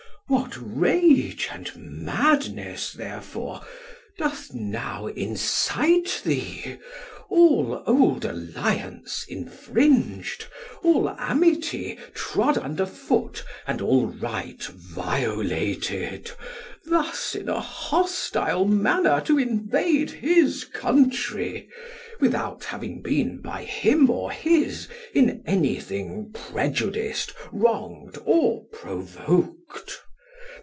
What rage and madness, therefore, doth now incite thee, all old alliance infringed, all amity trod under foot, and all right violated, thus in a hostile manner to invade his country, without having been by him or his in anything prejudiced, wronged, or provoked?